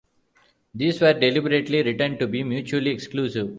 These were deliberately written to be mutually exclusive.